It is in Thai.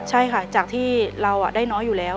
ใช่ค่ะจากที่เราได้น้อยอยู่แล้ว